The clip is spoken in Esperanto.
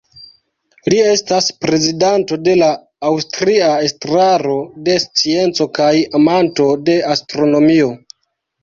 Li estas prezidanto de la Aŭstria Estraro de Scienco kaj amanto de astronomio.